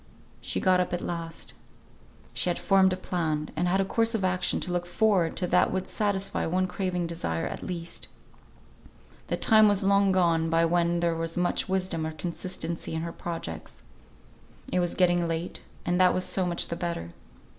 She got up at last. She had formed a plan, and had a course of action to look forward to that would satisfy one craving desire at least. The time was long gone by when there was much wisdom or consistency in her projects. It was getting late, and that was so much the better.